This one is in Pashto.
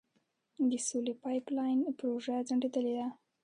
د سولې پایپ لاین پروژه ځنډیدلې ده.